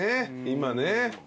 今ね。